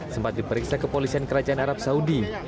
sempat diperiksa kepolisian kerajaan arab saudi